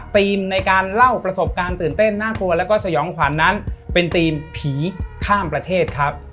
ในการเล่าประสบการณ์ตื่นเต้นน่ากลัวแล้วก็สยองขวัญนั้นเป็นทีมผีข้ามประเทศครับ